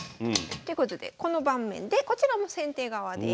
ということでこの盤面でこちらも先手側です。